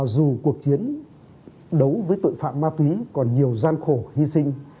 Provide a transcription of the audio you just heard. dù cuộc chiến đấu với tội phạm ma túy còn nhiều gian khổ hy sinh